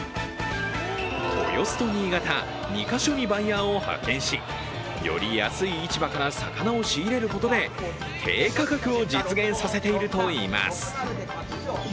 豊洲と新潟、２か所にバイヤーを派遣しより安い市場から魚を仕入れることで低価格を実現させているといいます。